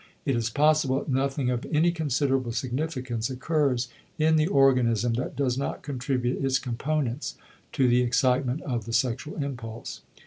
It is possible that nothing of any considerable significance occurs in the organism that does not contribute its components to the excitement of the sexual impulse.